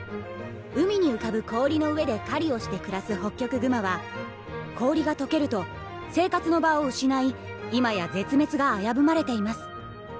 海に浮かぶ氷の上で狩りをして暮らすホッキョクグマは氷が解けると生活の場を失い今や絶滅が危ぶまれています。